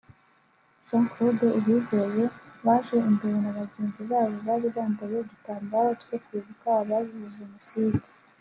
Jean Claude Uwizeye baje imbere na bagenzi babo bari bambaye udutambaro twi kwibuka abazize Jenoside